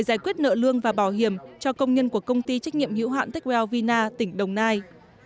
giải quyết nợ lương và bảo hiểm cho công nhân của công ty trách nhiệm hữu hạn techwell vina tỉnh đồng nai